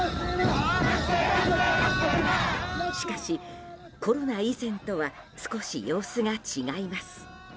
しかし、コロナ以前とは少し様子が違います。